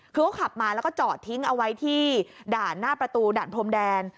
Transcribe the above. คือเขาขับมาแล้วก็จอดทิ้งเอาไว้ที่ด่านหน้าประตูด่านพรมแดน